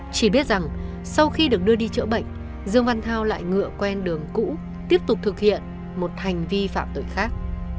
chỉ biết rằng sau khi được đưa đi chữa bệnh dương văn thao lại ngựa quen đường cũ tiếp tục thực hiện một hành vi phạm tội khác